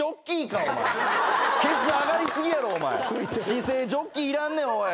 姿勢ジョッキーいらんねん。